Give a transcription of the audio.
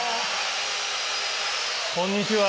こんにちは。